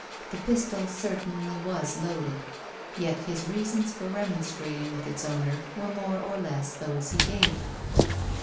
The pistol certainly was loaded, yet his reasons for remonstrating with its owner were more or less those he gave.